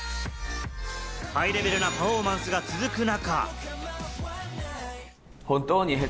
ハイレベルなパフォーマンスが続く中。